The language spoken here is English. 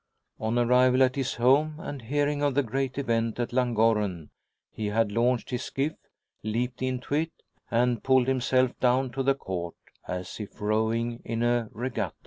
On arrival at his home, and hearing of the great event at Llangorren, he had launched his skiff, leaped into it, and pulled himself down to the Court as if rowing in a regatta.